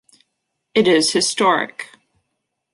It is historic.